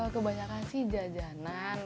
kebanyakan sih jajanan